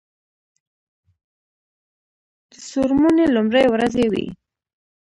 د څوړموني لومړی ورځې وې.